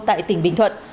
tại tỉnh bình thuận